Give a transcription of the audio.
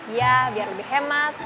iya biar lebih hemat